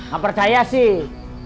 gak percaya sih